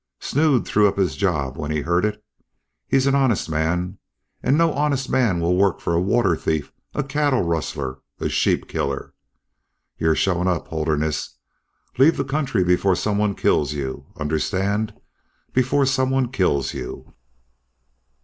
Snood threw up his job when he heard it. He's an honest man, and no honest man will work for a water thief, a cattle rustler, a sheep killer. You're shown up, Holderness. Leave the country before some one kills you understand, before some one kills you!"